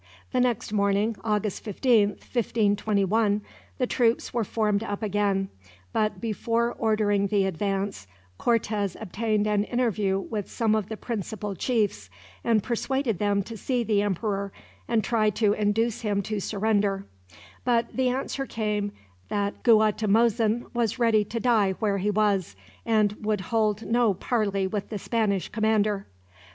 The next morning, August 15th, 1521, the troops were formed up again; but before ordering the advance Cortez obtained an interview with some of the principal chiefs, and persuaded them to see the emperor, and try to induce him to surrender; but the answer came that Guatimozin was ready to die where he was, and would hold no parley with the Spanish commander.